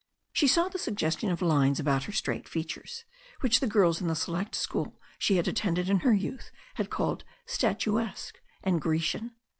She saw the sugges tion of lines about her straight features, which the girls in the select school she had attended in her youth had called statuesque and Grecian.